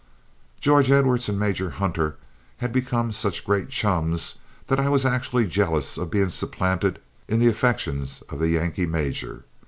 George Edwards and Major Hunter had become such great chums that I was actually jealous of being supplanted in the affections of the Yankee major.